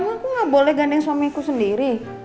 emang aku gak boleh gandeng suamiku sendiri